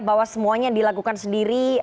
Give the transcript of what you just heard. bahwa semuanya dilakukan sendiri